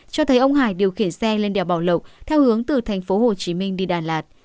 cho thấy ông hải điều khiển xe lên đèo bảo lộc theo hướng từ thành phố hồ chí minh đi đà lạt